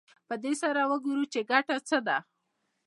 په دې سره ګورو چې ګټه څه ده